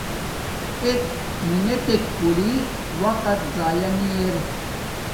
ایک منٹک کولی وقت ضیا نی ار